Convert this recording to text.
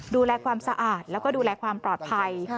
ดูแลความสะอาดแล้วก็ดูแลความปลอดภัย